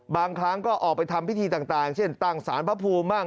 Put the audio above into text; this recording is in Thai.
บางครั้งก็ออกไปทำพิธีต่างเช่นตั้งสารพระภูมิบ้าง